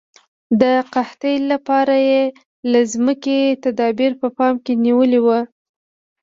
د قحطۍ لپاره یې له مخکې تدابیر په پام کې نیولي وو.